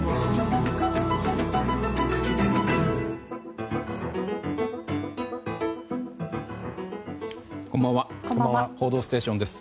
「報道ステーション」です。